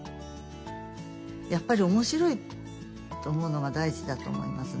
やっぱり面白いと思うのが大事だと思いますね。